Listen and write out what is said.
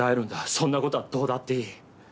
そんな事はどうだっていい。